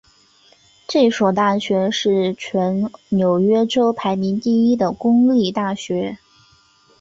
这所大学是全纽约州排名第一的公立大学。